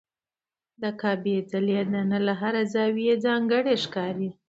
د کعبې ځلېدنه له هر زاویې ځانګړې ښکاري.